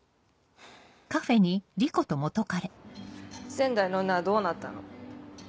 仙台の女はどうなったの？